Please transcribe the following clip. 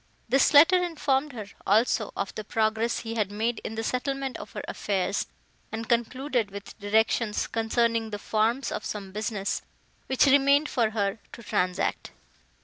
This letter informed her, also, of the progress he had made in the settlement of her affairs, and concluded with directions, concerning the forms of some business, which remained for her to transact.